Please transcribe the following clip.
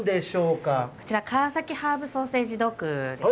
こちら、かわさきハーブソーセージドッグですね。